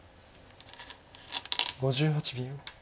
５８秒。